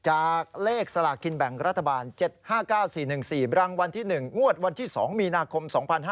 จากเลขสลากกินแบ่งรัฐบาล๗๕๙๔๑๔รางวัลที่๑งวดวันที่๒มีนาคม๒๕๕๙